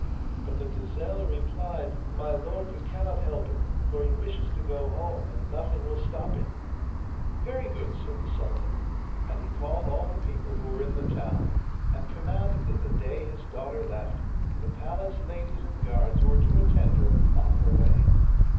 But the gazelle replied: 'My lord, you cannot help it, for he wishes to go home, and nothing will stop him.' 'Very good,' said the sultan, and he called all the people who were in the town, and commanded that the day his daughter left the palace ladies and guards were to attend her on her way.